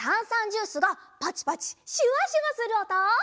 ジュースがパチパチシュワシュワするおと？